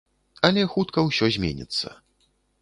Але хутка ўсё зменіцца.